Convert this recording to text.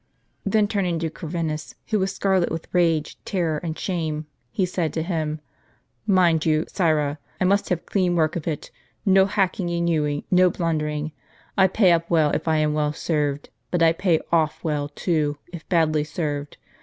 Then turning to Corvinus, who was scarlet with rage, terror, and shame, he said to him :" Mind you, sirrah, I must have clean work of it ; no hacking and hewing, no blundering. I pay up well if I am well served ; but I pay off well, too, if badly served.